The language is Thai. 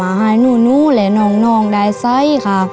มาให้หนูและน้องได้ใส่ค่ะ